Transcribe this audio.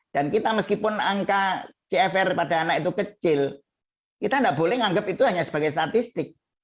dan kita meskipun angka cfr pada anak itu kecil kita tidak boleh menganggap itu hanya sebagai statistik